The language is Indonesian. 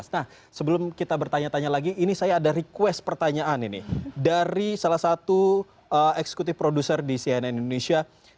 nah sebelum kita bertanya tanya lagi ini saya ada request pertanyaan ini dari salah satu eksekutif produser di cnn indonesia